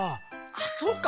あっそうか。